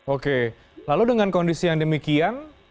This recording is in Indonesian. oke lalu dengan kondisi yang demikian